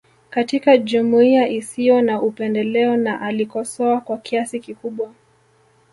Katika jumuiya isiyo na upendeleo na alikosoa kwa kiasi kikubwa